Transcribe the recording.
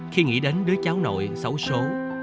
khi nghĩ đến đứa cháu nội xấu xố